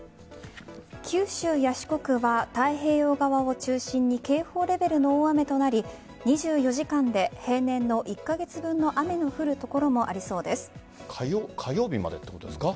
九州や四国は太平洋側を中心に警報レベルの大雨となり２４時間で平年の１カ月分の雨の降る所も火曜日までということですか？